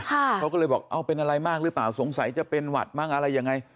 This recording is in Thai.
เขาก็เลยบอกเอาเป็นอะไรมากหรือเปล่าสงสัยจะเป็นหวัดบ้างอะไรยังไง